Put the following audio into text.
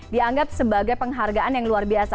dianggap sebagai penghargaan yang luar biasa